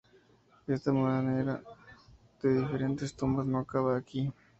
Esta marea de diferentes tumbas no acaba aquí.